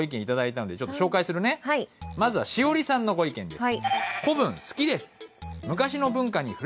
まずはしおりさんのご意見です。